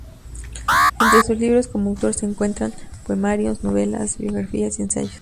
Entre sus libros como autor se encuentran poemarios, novelas, biografías y ensayos.